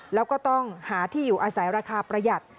แล้วก็ต้องหาที่อยู่อาศัยราคาประหยัด